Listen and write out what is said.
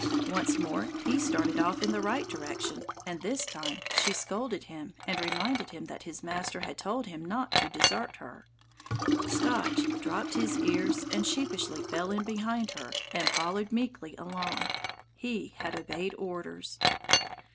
Once more he started off in the right direction, and this time she scolded him and reminded him that his master had told him not to desert her. Scotch dropped his ears and sheepishly fell in behind her and followed meekly along. He had obeyed orders.